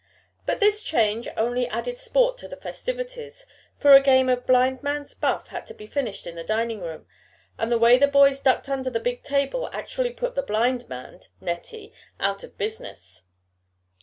But this change only added sport to the festivities, for a game of blindman's buff had to be finished in the dining room, and the way the boys ducked under the big table actually put the "blind man" (Nettie) out of business.